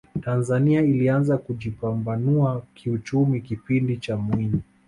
tanzania ilianza kujipambanua kiuchumi kipindi cha mwinyi